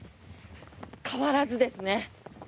変わらずですね。